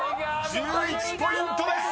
［１１ポイントです！］